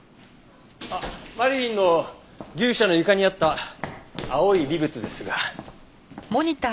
あっマリリンの牛舎の床にあった青い微物ですが。